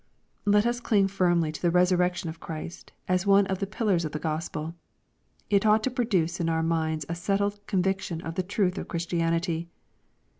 Let us cling firmly to the resurrection of Christ, as one ot the pillars of the Gospel. It ought to produce in our minds a settled conviction of the truth of Christianity.